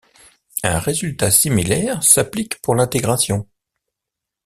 Un résultat similaire s'applique pour l'intégration.